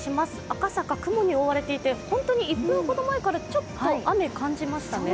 赤坂、雲に覆われていて、１分ほど前からちょっと雨を感じましたね。